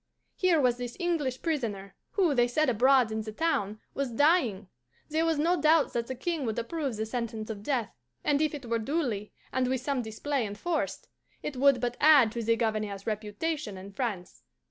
Here was this English prisoner, who, they said abroad in the town, was dying. There was no doubt that the King would approve the sentence of death, and if it were duly and with some display enforced, it would but add to the Governor's reputation in France.